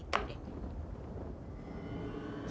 gitu deh pasti laki laki gitu deh